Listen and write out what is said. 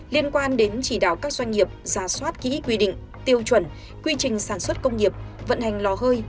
liên quan đến chỉ đạo các doanh nghiệp ra soát kỹ quy định tiêu chuẩn quy trình sản xuất công nghiệp vận hành lò hơi